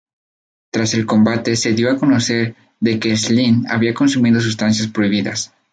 Tras el combate, se dio a conocer de que Slice había consumido sustancias prohibidas.